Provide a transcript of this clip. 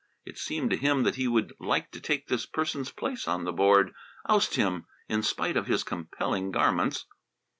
It seemed to him that he would like to take this person's place on the board; oust him in spite of his compelling garments.